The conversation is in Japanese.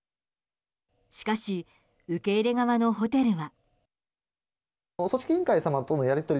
しかし受け入れ側のホテルは。